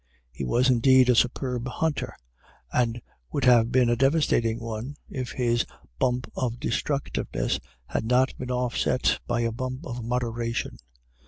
He was, indeed, a superb hunter, and would have been a devastating one, if his bump of destructiveness had not been offset by a bump of moderation.